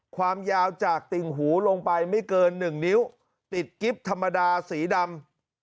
ความยาวจากติ่งหูลงไปไม่เกิน๑นิ้วติดกิ๊บธรรมดาสีดำ